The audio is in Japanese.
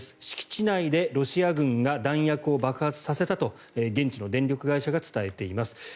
敷地内でロシア軍が弾薬を爆発させたと現地の電力会社が伝えています。